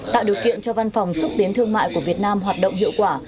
tạo điều kiện cho văn phòng xúc tiến thương mại của việt nam hoạt động hiệu quả